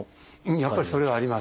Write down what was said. やっぱりそれはあります。